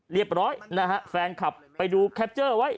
เรียบร้อยนะฮะแฟนคลับไปดูแคปเจอร์ไว้